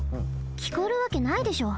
きこえるわけないでしょ。